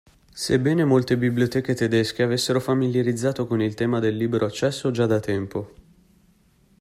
Sebbene molte biblioteche tedesche avessero familiarizzato con il tema del libero accesso già da tempo.